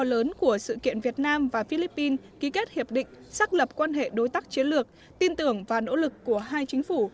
lớn của sự kiện việt nam và philippines ký kết hiệp định xác lập quan hệ đối tác chiến lược tin tưởng và nỗ lực của hai chính phủ